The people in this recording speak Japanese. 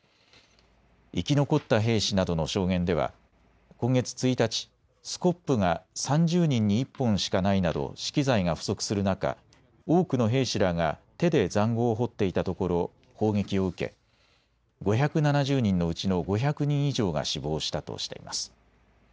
生き残った兵士などの証言では今月１日、スコップが３０人に１本しかないなど資機材が不足する中、多くの兵士らが手でざんごうを掘っていたところ、砲撃を受け５７０人のうちの５００人以上が死亡したとしています。